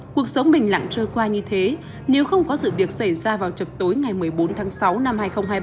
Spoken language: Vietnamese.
cuộc sống bình lặng trôi qua như thế nếu không có sự việc xảy ra vào chập tối ngày một mươi bốn tháng sáu năm hai nghìn hai mươi ba